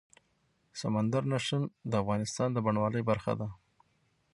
سمندر نه شتون د افغانستان د بڼوالۍ برخه ده.